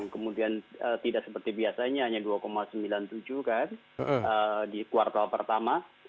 kemudian tidak seperti biasanya hanya dua sembilan puluh tujuh kan di kuartal pertama